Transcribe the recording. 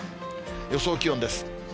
予想気温です。